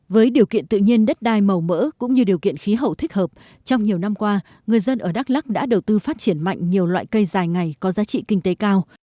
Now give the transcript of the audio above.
với điều kiện tự nhiên đất đai màu mỡ cũng như điều kiện khí hậu thích hợp trong nhiều năm qua người dân ở đắk lắc đã đầu tư phát triển mạnh nhiều loại cây dài ngày có giá trị kinh tế cao